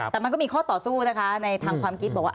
แต่มันก็มีข้อต่อสู้นะคะในทางความคิดบอกว่า